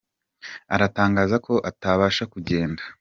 aratangaza ko atabasha kugenda